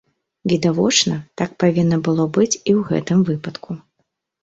Відавочна, так павінна было быць і ў гэтым выпадку.